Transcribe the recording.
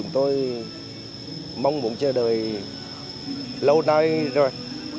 mong muốn chờ đợi lâu nay rồi